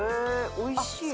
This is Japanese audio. おいしいの？」